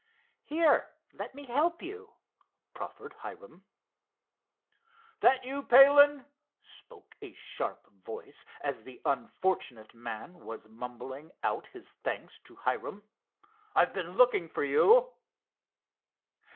"Here, let me help you," proffered Hiram. "That you, Palen?" spoke a sharp voice, as the unfortunate man was mumbling out his thanks to Hiram. "I've been looking for you."